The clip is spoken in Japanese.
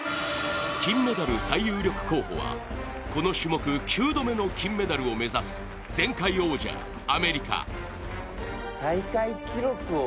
金メダル最有力候補はこの種目９度目の金メダルを目指す前回王者・アメリカ。